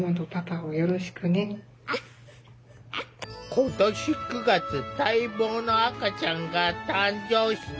今年９月待望の赤ちゃんが誕生した！